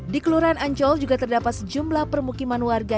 di kelurahan ancol juga terdapat sejumlah permukiman warga